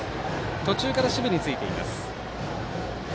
途中から守備についています。